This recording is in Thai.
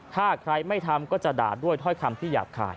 ถ้าใครไม่ทำก็จะด่าด้วยถ้อยคำที่หยาบคาย